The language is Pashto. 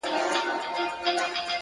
لوړ هدفونه قوي تمرکز غواړي